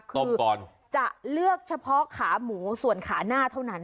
ต้มก่อนจะเลือกเฉพาะขาหมูส่วนขาหน้าเท่านั้น